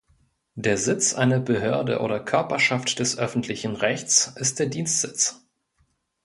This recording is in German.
Der Sitz einer Behörde oder Körperschaft des Öffentlichen Rechts ist der Dienstsitz.